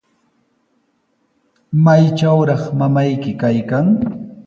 ¿Maytrawtaq mamayki kaykan?